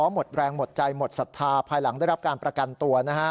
หมดแรงหมดใจหมดศรัทธาภายหลังได้รับการประกันตัวนะฮะ